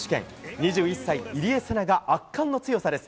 ２１歳入江聖奈が圧巻の強さです。